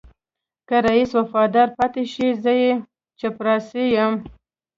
که رئيس وفادار پاتې شي زه يې چپړاسی یم.